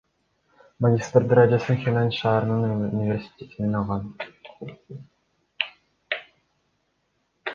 Магистр даражасын Хэнань шаарынын университетинен алгам.